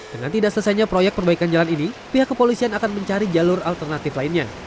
dengan tidak selesainya proyek perbaikan jalan ini pihak kepolisian akan mencari jalur alternatif lainnya